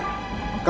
kamu bisa berjaya